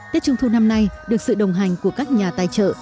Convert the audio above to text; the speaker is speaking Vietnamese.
tết trung thu năm nay được sự đồng hành của các nhà tài trợ